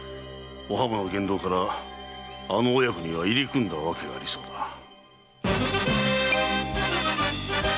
お浜の言動からあの母子には入り組んだ訳がありそうだ。